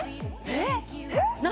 えっ！？